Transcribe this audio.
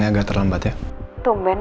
mak flank dirinya